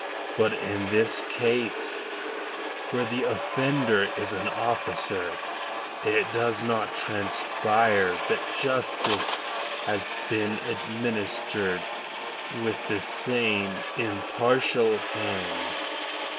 But in this case, where the offender is an officer, it does not transpire that justice has been administered with the same impartial hand."